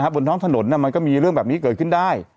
บนท้องถนนมันก็มีเรื่องแบบนี้เกิดขึ้นได้